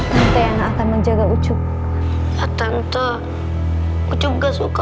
tante yang akan menjaga ucup